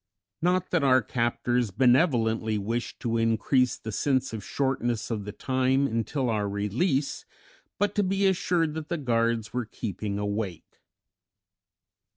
Not that our captors benevolently wished to increase the sense of the shortness of the time until our release, but to be assured that the guards were keeping awake.